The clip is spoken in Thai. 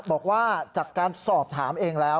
บอกว่าจากการสอบถามเองแล้ว